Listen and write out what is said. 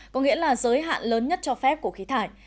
có nghĩa là giới hạn lớn nhất cho phép của khí thải